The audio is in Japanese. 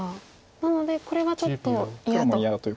なのでこれがちょっと嫌と。